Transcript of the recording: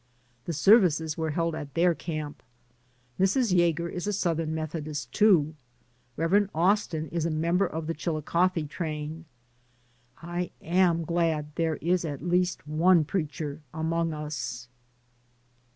The services were held at their camp. Mrs. Yager is a Southern Methodist, too. Rev. Austin is a member of the Chilicothe train. I am glad there is at least one preacher among us.